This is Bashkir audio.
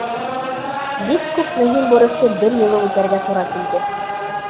Бик күп мөһим бурысты бер юлы үтәргә тура килде.